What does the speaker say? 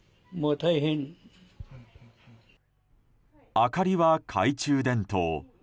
明かりは懐中電灯。